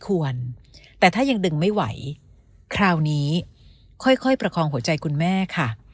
ควรแต่ถ้ายังดึงไม่ไหวคราวนี้ค่อยประคองหัวใจคุณแม่ค่ะ